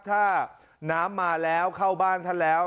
ถ้าน้ำมาแล้วเข้าบ้านท่านแล้ว